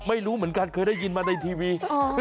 ไม่รู้เหมือนกันเคยได้ยินมาในทีวี